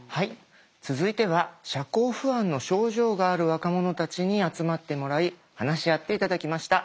続いては社交不安の症状がある若者たちに集まってもらい話し合って頂きました。